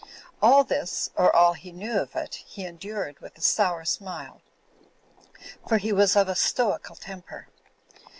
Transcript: All this, or all he knew of it, he en dured with a sour smile ; for he was of a stoical temper.